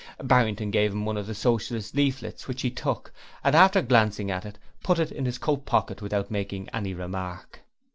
Barrington gave him one of the Socialist leaflets, which he took, and after glancing at it, put it in his coat pocket without making any remark.